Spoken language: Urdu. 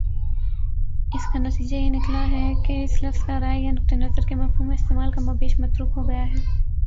اس کا نتیجہ یہ نکلا ہے کہ اس لفظ کا رائے یا نقطۂ نظر کے مفہوم میں استعمال کم و بیش متروک ہو گیا ہے